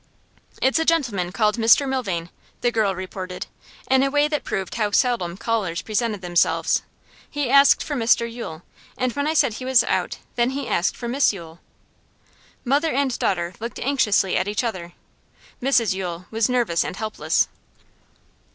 'It's a gentleman called Mr Milvain,' the girl reported, in a way that proved how seldom callers presented themselves. 'He asked for Mr Yule, and when I said he was out, then he asked for Miss Yule.' Mother and daughter looked anxiously at each other. Mrs Yule was nervous and helpless.